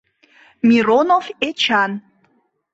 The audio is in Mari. — Миронов Эчан.